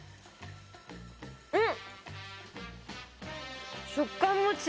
うん！